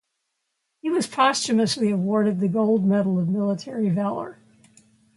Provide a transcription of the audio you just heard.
He was posthumously awarded the Gold Medal of Military Valour.